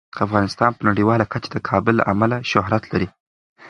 افغانستان په نړیواله کچه د کابل له امله شهرت لري.